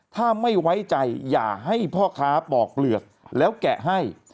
ถ้าไม่ไว้ใจอย่าให้พ่อค้าปอกเปลือกแล้วแกะให้